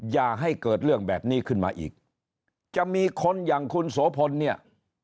อย่าให้เกิดเรื่องแบบนี้ขึ้นมาอีกจะมีคนอย่างคุณโสพลเนี่ย